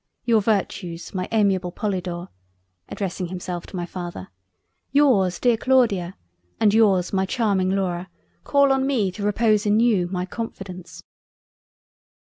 Your Virtues my amiable Polydore (addressing himself to my father) yours Dear Claudia and yours my Charming Laura call on me to repose in you, my confidence."